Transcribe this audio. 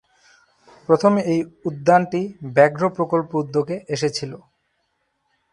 প্রথম এই উদ্যানটি ব্যাঘ্র প্রকল্প উদ্যোগে এসেছিল।